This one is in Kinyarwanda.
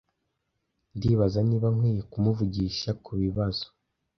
Ndibaza niba nkwiye kumuvugisha kubibazo.